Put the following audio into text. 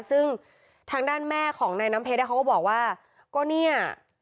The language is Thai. ซึ่งทางด้านแม่ของนายน้ำเพชรเขาก็บอกว่าก็เนี่ย